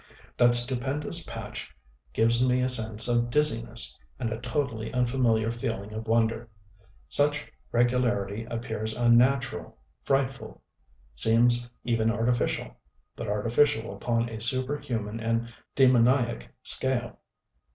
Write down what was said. That stupendous pitch gives me a sense of dizziness, and a totally unfamiliar feeling of wonder. Such regularity appears unnatural, frightful; seems even artificial, but artificial upon a superhuman and demoniac scale.